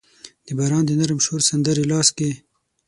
د باران د نرم شور سندرې لاس کې